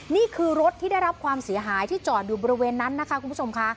นี่คือรถที่ได้รับความเสียหายที่จอดอยู่บริเวณนั้นนะคะคุณผู้ชมค่ะ